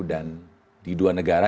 dan di dua negara